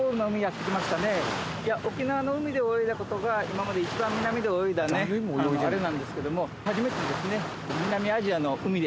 沖縄の海で泳いだことが今まで一番南で泳いだあれなんですけども。